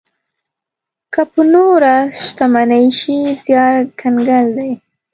که په نوره شتمني شي زيار کنګال دی.